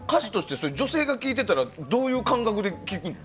女性が聴いていたらどういう感覚で聴くの？